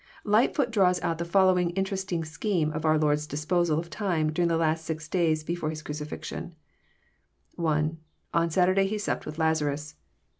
Lightfoot draws out the following interesting scheme of our Lord's disposal of time during the last six days before His cruci fixion : (1) On Saturday He sapped with Lazarus.